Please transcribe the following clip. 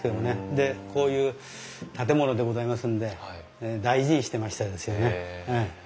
でこういう建物でございますんで大事にしてましたですよね。